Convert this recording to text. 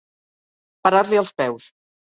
Parar-li els peus.